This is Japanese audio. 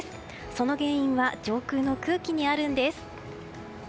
その原因は上空の空気にあるんです。